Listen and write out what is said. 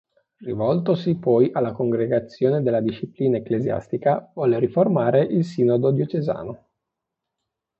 Rivoltosi poi alla Congregazione della disciplina Ecclesiastica volle riformare il sinodo diocesano.